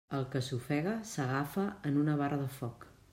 El que s'ofega s'agafa en una barra de foc.